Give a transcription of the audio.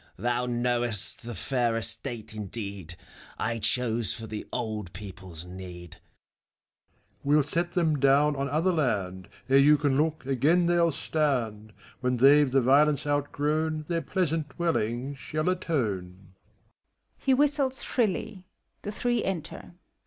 Thou knowest the fair estate, indeed, I chose for the old people's need. IIEPHISTOPHELES. We'll set them down on other land ; Ere you can look, again they'll stand : When they've the violence outgrown. Their pleasant dwelling shall atone.